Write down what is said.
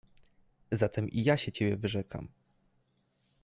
— Zatem i ja się ciebie wyrzekam!